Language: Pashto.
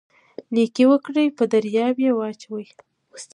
نیکي وکړئ په دریاب یې واچوئ